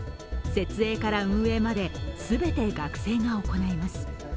設営から運営まで、全て学生が行います。